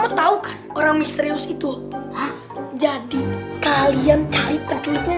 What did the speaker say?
kita sendiri aja bisa bois bois